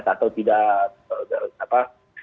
atau tidak apa